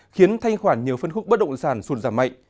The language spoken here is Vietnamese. khiến thanh khoản nhiều phân khúc bất động sản sụt giảm mạnh